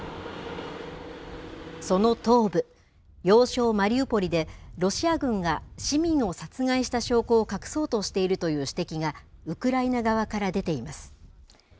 その東部、要衝マリウポリで、ロシア軍が市民を殺害した証拠を隠そうとしているという指摘が、ウクライナ側から出ています。